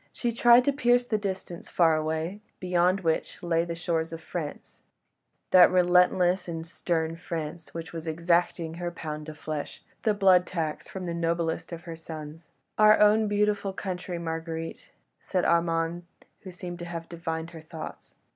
She tried to pierce the distance far away, beyond which lay the shores of France: that relentless and stern France which was exacting her pound of flesh, the blood tax from the noblest of her sons. "Our own beautiful country, Marguerite," said Armand, who seemed to have divined her thoughts.